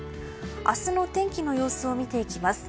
明日の天気の様子を見ていきます。